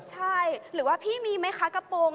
ใช่หรือว่าพี่มีไหมคะกระโปรง